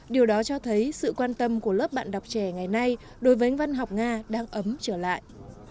điều đó cho thấy sự quan tâm của lớp bạn đọc trẻ ngày nay đối với văn học nga đang ấm trở lại